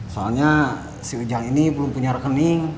soalnya si ujang ini belum punya rekening